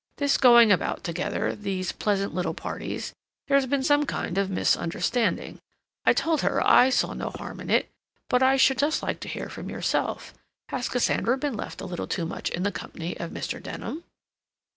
This going about together—these pleasant little parties—there's been some kind of misunderstanding. I told her I saw no harm in it, but I should just like to hear from yourself. Has Cassandra been left a little too much in the company of Mr. Denham?"